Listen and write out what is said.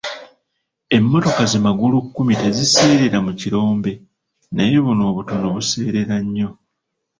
Emmotoka zi magulukkumi teziseerera mu kirombe naye buno obutono buseerera nnyo.